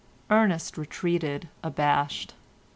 Ernest retreated abashed.